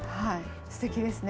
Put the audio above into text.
すてきですね。